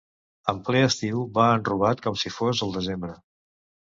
En ple estiu va enrobat com si fos el desembre.